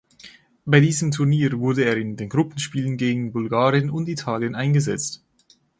Bei diesem Turnier wurde er in den Gruppenspielen gegen Bulgarien und Italien eingesetzt.